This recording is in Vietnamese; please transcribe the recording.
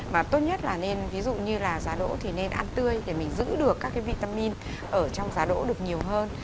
và tốt nhất là nên ví dụ như là giá đỗ thì nên ăn tươi để mình giữ được các cái vitamin ở trong giá đỗ được nhiều hơn